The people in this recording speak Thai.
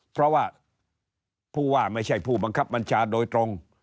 เพราะว่าผู้ว่าไม่ใช่ผู้บังคับบัญชาโดยตรง